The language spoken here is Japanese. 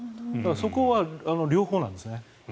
そこは両方なんですね。